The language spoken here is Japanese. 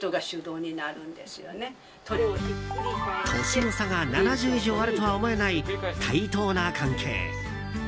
年の差が７０以上あるとは思えない対等な関係。